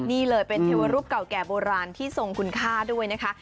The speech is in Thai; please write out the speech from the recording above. นี่เลยเป็นเทวรูปเก่าแก่โบราณที่ทรงคุณค่าด้วยนะคะ